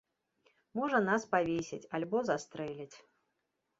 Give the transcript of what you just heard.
Можа, нас павесяць альбо застрэляць.